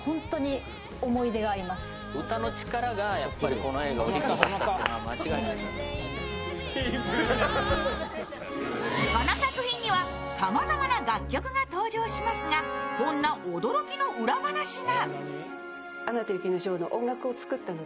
この作品にはさまざまな楽曲が登場しますがこんな驚きの裏話が。